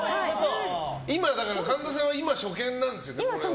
今、神田さんは初見なんですよね。